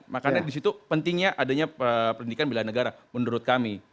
makanya di situ pentingnya adanya pendidikan belanegara menurut kami